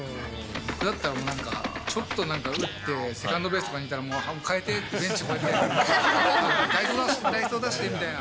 僕だったらなんか、ちょっとなんか打って、セカンドベースとかにいたら、もう代えて、ベンチ見て、代走出してみたいな。